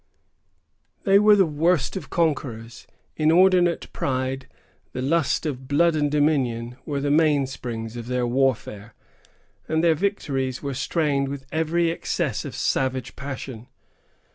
They were the worst of conquerors. Inordinate pride, the lust of blood and dominion, were the mainsprings of their warfare; and their victories were strained with every excess of savage passion.